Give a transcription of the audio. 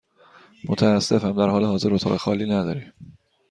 متأسفم، در حال حاضر اتاق خالی نداریم.